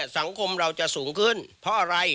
สังคมเราจะสูงขึ้นเพราะอะไร